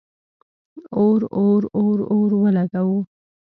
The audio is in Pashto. اور، اور، اور ولګوو